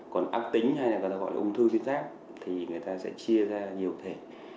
còn ác tính hay là gọi là ung thư tuyến giáp thì người ta sẽ chia ra nhiều thể